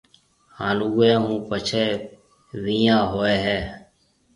هانَ اُوئي هون پڇيَ ويهان هوئي هيَ۔